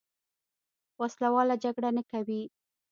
وسله واله جګړه نه کوي.